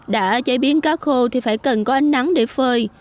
đã chế biến cá khô thì phải cần có ánh nắng để phơi